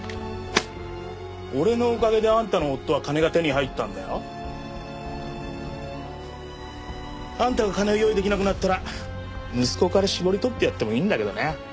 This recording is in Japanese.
俺のおかげであんたの夫は金が手に入ったんだよ？あんたが金を用意できなくなったら息子から搾り取ってやってもいいんだけどね。